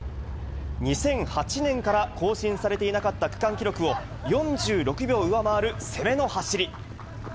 ２００８年から更新されていなかった区間記録を、４６秒上回る攻めの走り。